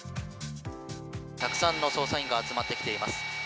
たくさんの捜査員が集まっています。